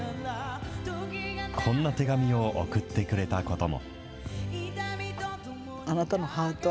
こんな手紙を送ってくれたことも。